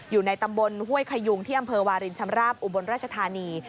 อยู่ในตำบลห้วยขยุงที่อำเภอวารินชำราบอุบลราชธานี